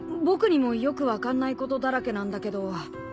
僕にもよく分かんないことだらけなんだけど。